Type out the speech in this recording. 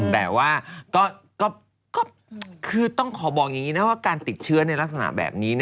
แต่ว่าคือต้องขอบอกอย่างนี้นะว่าการติดเชื้อในลักษณะแบบนี้